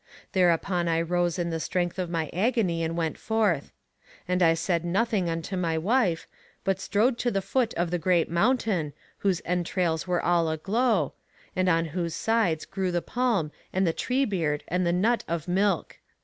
Thereupon I rose in the strength of my agony and went forth. And I said nothing unto my wife, but strode to the foot of the great mountain, whose entrails were all aglow, and on whose sides grew the palm and the tree bread and the nut of milk.